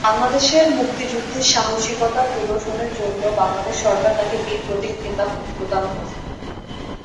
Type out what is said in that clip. বাংলাদেশের মুক্তিযুদ্ধে সাহসিকতা প্রদর্শনের জন্য বাংলাদেশ সরকার তাকে বীর প্রতীক খেতাব প্রদান করে।